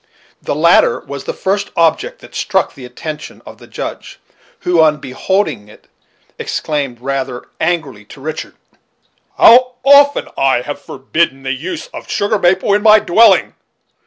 The latter was the first object that struck the attention of the Judge, who on beholding it exclaimed, rather angrily, to Richard: "How often have I forbidden the use of the sugar maple in my dwelling!